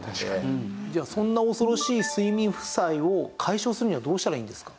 じゃあそんな恐ろしい睡眠負債を解消するにはどうしたらいいんですか？